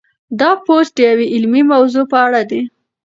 دا پوسټ د یوې علمي موضوع په اړه دی.